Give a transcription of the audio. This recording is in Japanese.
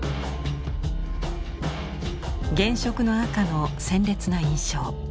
原色の赤の鮮烈な印象。